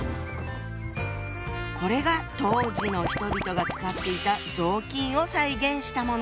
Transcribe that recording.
これが当時の人々が使っていた雑巾を再現したもの。